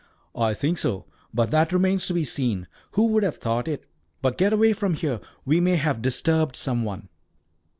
"I think so, but that remains to be seen. Who would have thought it? But get away from here! We may have disturbed some one."